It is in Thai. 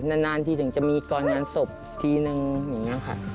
นานทีถึงจะมีก่อนงานศพทีนึงอย่างนี้ค่ะ